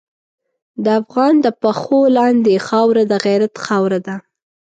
د افغان د پښو لاندې خاوره د غیرت خاوره ده.